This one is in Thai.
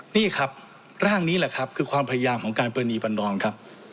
นี่ครับร่างนี้แหละครับคือความพยายามของการปรณีประดอนครับ